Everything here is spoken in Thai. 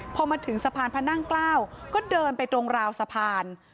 พอมาถึงสะพานพระนั่งเกล้าก็เดินไปตรงราวสะพาน